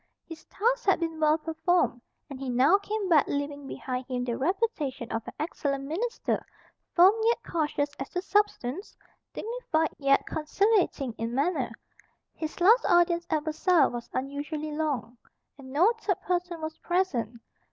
His task had been well performed; and he now came back, leaving behind him the reputation of an excellent minister, firm yet cautious as to substance, dignified yet conciliating in manner. His last audience at Versailles was unusually long; and no third person was present.